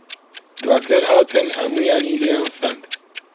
دواتر هاتن هەموویانی لێیان سەند.